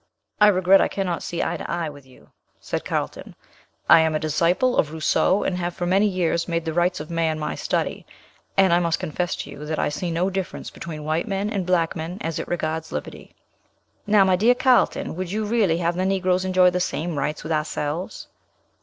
"I regret I cannot see eye to eye with you," said Carlton. "I am a disciple of Rousseau, and have for years made the rights of man my study; and I must confess to you that I can see no difference between white men and black men as it regards liberty." "Now, my dear Carlton, would you really have the Negroes enjoy the same rights with ourselves?"